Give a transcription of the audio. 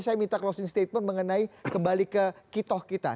saya minta closing statement mengenai kembali ke kitoh kita